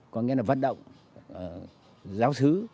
có nghĩa là vận động giáo sứ